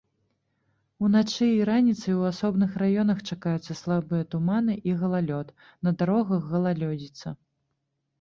Уначы і раніцай у асобных раёнах чакаюцца слабыя туманы і галалёд, на дарогах галалёдзіца.